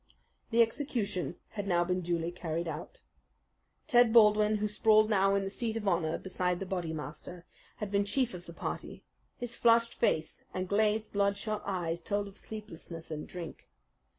The execution had now been duly carried out. Ted Baldwin, who sprawled now in the seat of honour beside the Bodymaster, had been chief of the party. His flushed face and glazed, bloodshot eyes told of sleeplessness and drink.